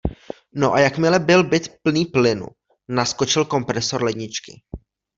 No a jakmile byl byt plný plynu, naskočil kompresor ledničky.